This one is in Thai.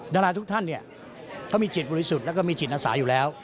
ดาราทุกท่านเขามีจิตบุริสุทธิ์และมีจิตอสาอยู่แล้ว